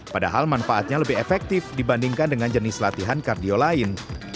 padahal manfaatnya lebih efektif dibandingkan dengan jenis latihan kardio lain